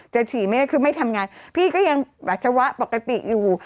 ฉี่ไม่ได้คือไม่ทำงานพี่ก็ยังปัสสาวะปกติอยู่